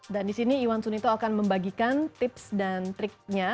dan disini iwan sunito akan membagikan tips dan triknya